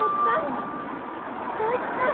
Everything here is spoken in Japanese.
昇一さん！？